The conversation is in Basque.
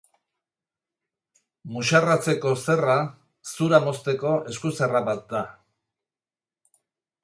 Muxarratzeko zerra zura mozteko esku-zerra bat da.